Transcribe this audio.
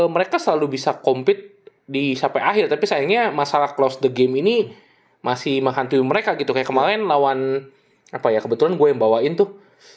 mereka selalu bisa compete sampai akhir tapi sayangnya masalah close the game ini masih menghantui mereka gitu kayak kemarin lawan apa ya kebetulan gue yang bawain tuh